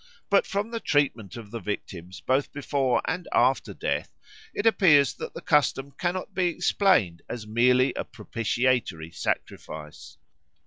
But from the treatment of the victims both before and after death it appears that the custom cannot be explained as merely a propitiatory sacrifice.